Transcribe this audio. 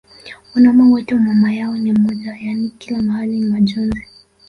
wanaume wote mamayao ni mmoja yani kila mahali ni majonzi